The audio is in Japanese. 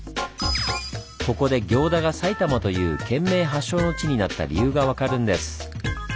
ここで行田が「埼玉」という県名発祥の地になった理由が分かるんです。